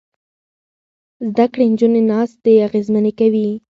زده کړې نجونې ناستې اغېزمنې کوي.